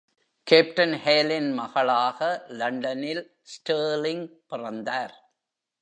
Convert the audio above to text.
Captain Kehl இன் மகளாக லண்டனில் Stirling பிறந்தார்.